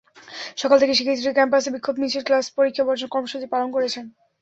সকাল থেকে শিক্ষার্থীরা ক্যাম্পাসে বিক্ষোভ মিছিল, ক্লাস-পরীক্ষা বর্জন কর্মসূচি পালন করেছেন।